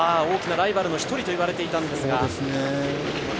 大きなライバルの一人と言われていたんですが。